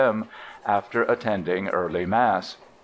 M. ("after attending early Mass").